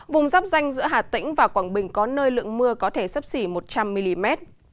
vùng dắp danh giữa hà tĩnh và quảng bình có nơi lượng mưa có thể sấp xỉ một trăm linh mm